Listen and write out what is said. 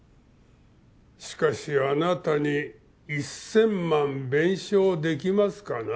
しかしあなたに１，０００万弁償できますかな？